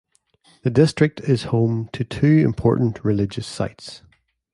The district is home to two important religious sites.